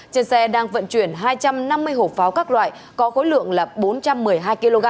trên xe đang vận chuyển hai trăm năm mươi hộp pháo các loại có khối lượng là bốn trăm một mươi hai kg